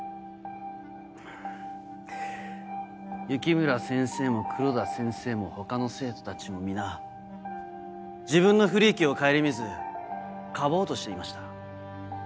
雪村先生も黒田先生も他の生徒たちも皆自分の不利益を顧みず庇おうとしていました。